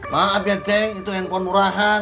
maaf ya ceng itu handphone murahan